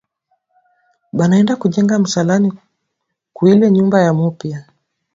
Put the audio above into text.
Banaenda ku jenga msalani kuile nyumba ya mupya